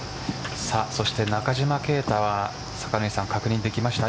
そして中島啓太は確認できましたか？